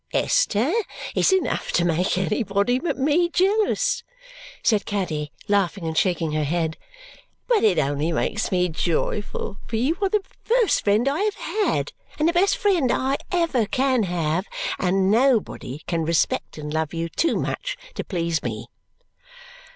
"Esther, it's enough to make anybody but me jealous," said Caddy, laughing and shaking her head; "but it only makes me joyful, for you are the first friend I ever had, and the best friend I ever can have, and nobody can respect and love you too much to please me."